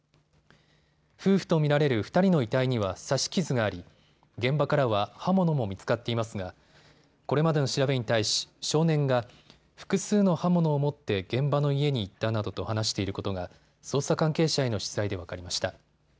夫婦と見られる２人の遺体には刺し傷があり、現場からは刃物も見つかっていますがこれまでの調べに対し、少年が複数の刃物を持って現場の家に行ったなどと話していることが捜査関係者への取材で分かりました。